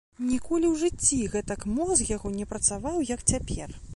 Ніколі ў жыцці гэтак мозг яго не працаваў, як цяпер.